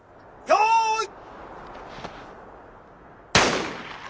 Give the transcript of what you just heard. よい。